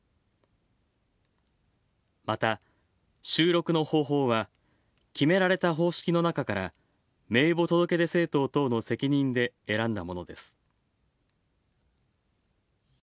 また、収録の方法は決められた方式の中から名簿届出政党等の責任で選んだものです。